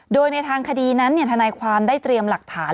โดยในทางคดีนั้นทนายความได้เตรียมหลักฐาน